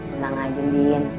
emang aja mirin